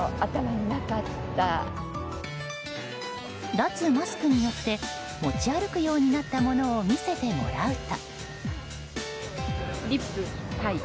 脱マスクによって持ち歩くようになったものを見せてもらうと。